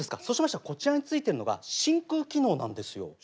そうしましたらこちらについてるのが真空機能なんですよ。